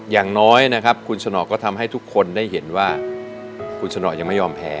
อย่างน้อยนะครับคุณสนอก็ทำให้ทุกคนได้เห็นว่าคุณสนอยังไม่ยอมแพ้